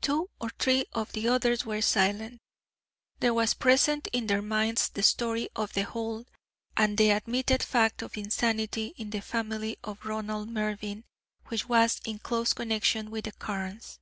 Two or three of the others were silent. There was present in their minds the story of The Hold, and the admitted fact of insanity in the family of Ronald Mervyn, which was in close connection with the Carnes.